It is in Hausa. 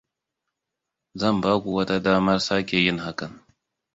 Zan ba ku wata damar sake yin hakan.